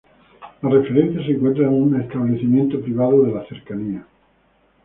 La referencia se encuentra en un establecimiento privado de las cercanías.